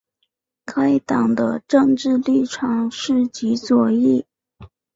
该党的政治立场是极左翼。